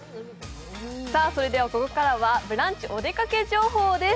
それではここからは「ブランチ」お出かけ情報です。